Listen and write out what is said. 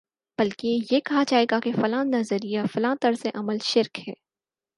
بلکہ یہ کہا جائے گا فلاں نظریہ یا فلاں طرزِ عمل شرک ہے